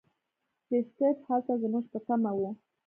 لیسټرډ هلته زموږ په تمه و.